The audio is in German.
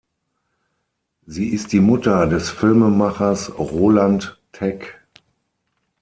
Sie ist die Mutter des Filmemachers Roland Tec.